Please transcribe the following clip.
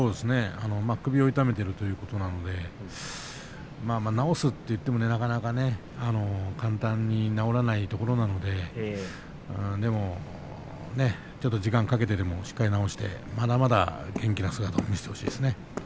首を痛めているということなので治すといってもなかなか簡単に治らないところなのででも、ちょっと時間かけてでもしっかり治してまだまだ元気な姿を見せてほしいですね。